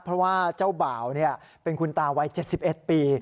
เพราะว่าเจ้าบ่าวเป็นคุณตาวัย๗๑ปี